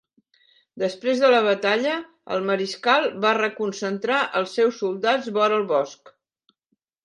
Després de la batalla, el mariscal va reconcentrar els seus soldats vora el bosc.